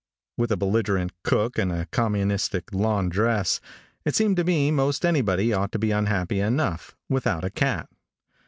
With a belligerent cook and a communistic laundress, it seems to me most anybody ought to be unhappy enough without a cat.